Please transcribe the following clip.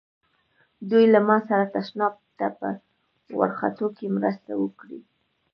دوی له ما سره تشناب ته په ورختو کې مرسته وکړه.